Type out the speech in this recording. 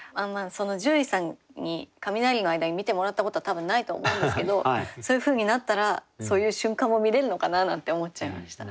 獣医さんに雷の間に診てもらったことは多分ないとは思うんですけどそういうふうになったらそういう瞬間も見れるのかななんて思っちゃいました。